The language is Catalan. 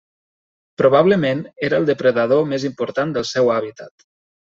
Probablement era el depredador més important del seu hàbitat.